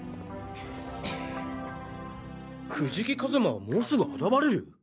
藤木一馬はもうすぐ現れる！？